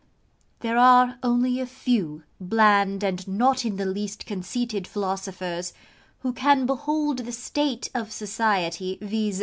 There are only a few bland and not in the least conceited philosophers, who can behold the state of society, viz.